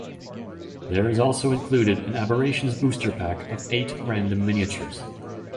There is also included an Aberrations booster pack of eight random miniatures.